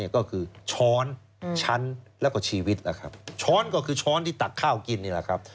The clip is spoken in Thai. ก็คือช้อนชั้นแล้วก็ชีวิตล่ะครับช้อนก็คือช้อนที่ตักข้าวกินนี่แหละครับ